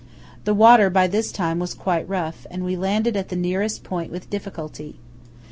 The water by this time was quite rough, and we landed at the nearest point with difficulty.